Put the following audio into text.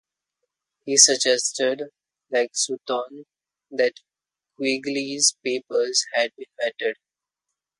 He suggested, like Sutton, that Quigley's papers had been vetted.